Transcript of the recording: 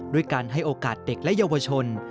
ด้วยการให้โอกาสเด็กและเยาวชน